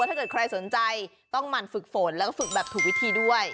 ถ้าเกิดใครสนใจต้องหมั่นฝึกฝนแล้วก็ฝึกแบบถูกวิธีด้วย